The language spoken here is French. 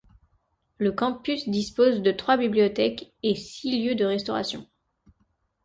Le campus dispose de trois bibliothèques et six lieux de restauration.